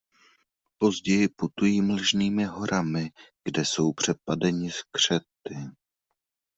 Později putují mlžnými horami, kde jsou přepadeni skřety.